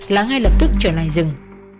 là ngay lập tức trở lại rừng